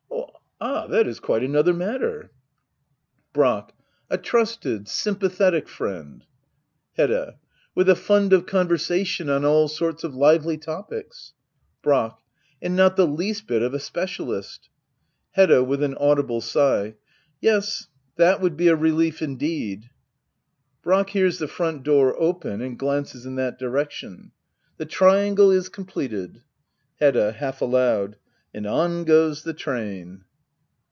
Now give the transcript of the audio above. Ah — ^that is quite another matter ! Brack. . A trusted^ sympathetic friend Hedda. with a fund of conversation on all sorts of lively topics Brack. and not the least bit of a specialist ! Hedda« [With an audible sigh,'] Yes^ that would be a reuef indeed. Brack. [Hears the front door open, and glances in that direction.] The triangle is completed. Hedda. [Half aloud,] And on goes the train.